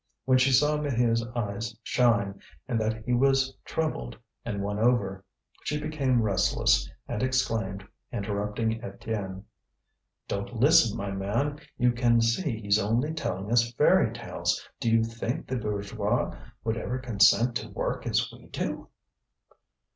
When she saw Maheu's eyes shine, and that he was troubled and won over, she became restless, and exclaimed, interrupting Étienne: "Don't listen, my man! You can see he's only telling us fairy tales. Do you think the bourgeois would ever consent to work as we do?"